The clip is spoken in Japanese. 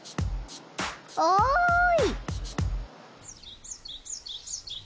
おい！